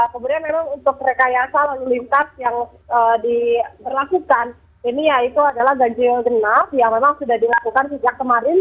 kemudian memang untuk rekayasa lalu lintas yang diberlakukan ini yaitu adalah ganjil genap yang memang sudah dilakukan sejak kemarin